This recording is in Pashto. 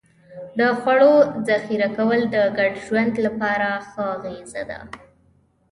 د خوړو ذخیره کول د ګډ ژوند لپاره ښه انګېزه ده.